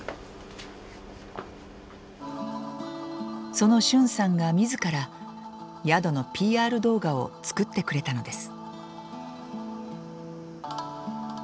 その駿さんが自ら宿のＰＲ動画を作ってくれたのです。